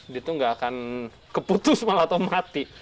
dia tuh nggak akan keputus malah atau mati